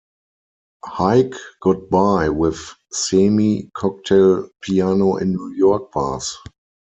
Haig got by with semi-cocktail piano in New York bars.